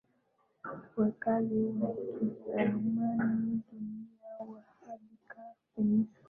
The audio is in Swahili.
wa kale wa kitamaduni Kwa hakika peninsula